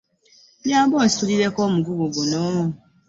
.Nyamba onsitulireko omugugu guno.